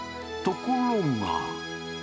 ところが。